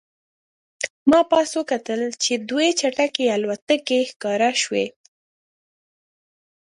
ما پاس وکتل چې دوې چټکې الوتکې ښکاره شوې